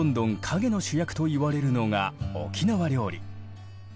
陰の主役といわれるのが沖縄料理。